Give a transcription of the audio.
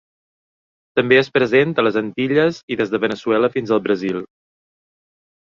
També és present a les Antilles i des de Veneçuela fins al Brasil.